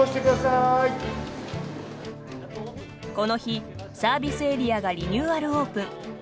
この日、サービスエリアがリニューアルオープン。